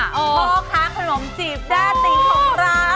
พ่อค้าขนมจีบแด้ติ๋งของเรา